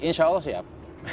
insya allah siap